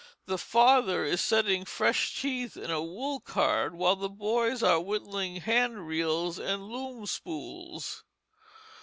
The father is setting fresh teeth in a wool card, while the boys are whittling hand reels and loom spools.